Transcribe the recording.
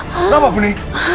kenapa bu nek